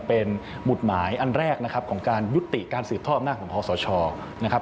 เป็นหมุดหมายอันแรกนะครับของการยุติการสืบทอดอำนาจของคอสชนะครับ